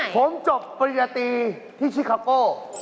ผมจบปริญญาตรีที่ชิคาโก้